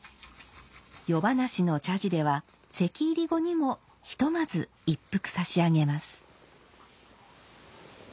夜咄の茶事では席入り後にもひとまず一服差し上げます。